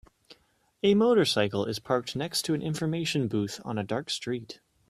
A motorcycle is parked next to an information booth on a dark street